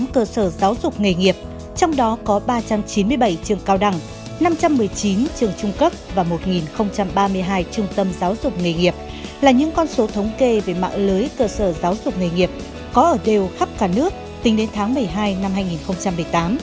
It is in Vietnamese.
một mươi cơ sở giáo dục nghề nghiệp trong đó có ba trăm chín mươi bảy trường cao đẳng năm trăm một mươi chín trường trung cấp và một ba mươi hai trung tâm giáo dục nghề nghiệp là những con số thống kê về mạng lưới cơ sở giáo dục nghề nghiệp có ở đều khắp cả nước tính đến tháng một mươi hai năm hai nghìn một mươi tám